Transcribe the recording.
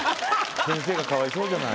先生がかわいそうじゃない。